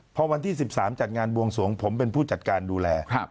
พอวันที่๑๓จัดงานบวงสวงผมเป็นผู้จัดการดูแล